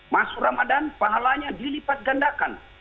masuk ramadan pahalanya dilipat gandakan